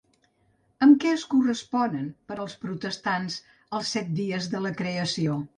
Amb què es corresponen per als protestants els set dies de la creació?